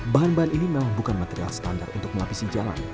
bahan bahan ini memang bukan material standar untuk melapisi jalan